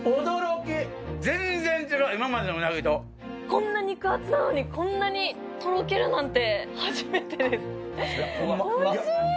こんな肉厚なのにこんなにとろけるなんて初めてですおいしい！